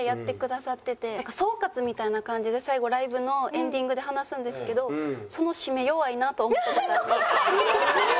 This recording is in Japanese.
なんか総括みたいな感じで最後ライブのエンディングで話すんですけどそのシメ弱いなと思った事あります。